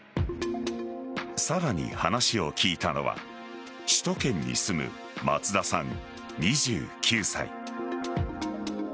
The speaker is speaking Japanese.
さらに話を聞いたのは首都圏に住む松田さん、２９歳。